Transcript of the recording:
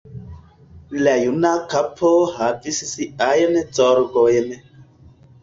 La juna kapo havis siajn zorgojn.